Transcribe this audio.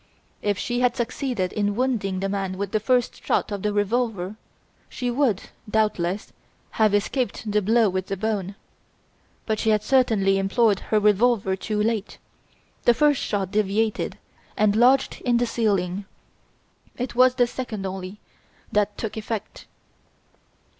If she had succeeded in wounding the man with the first shot of the revolver, she would, doubtless, have escaped the blow with the bone. But she had certainly employeeed her revolver too late; the first shot deviated and lodged in the ceiling; it was the second only that took effect."